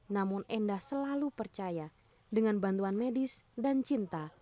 namun endah selalu percaya dengan bantuan medis dan cinta